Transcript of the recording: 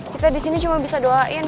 kita di sini cuma bisa doain